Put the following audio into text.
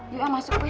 yuk ya masuk ya